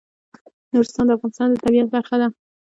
نورستان د افغانستان د طبیعت برخه ده.